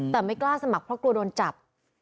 แต่ไม่กล้าสมัครเพราะกลัวโดนจับ